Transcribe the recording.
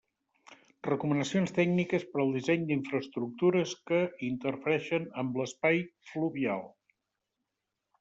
Recomanacions tècniques per al disseny d'infraestructures que interfereixen amb l'espai fluvial.